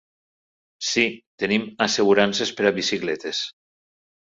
Sí, tenim assegurances per a bicicletes.